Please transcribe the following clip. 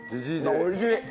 おいしい！